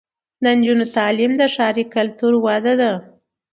د نجونو تعلیم د ښاري کلتور وده ده.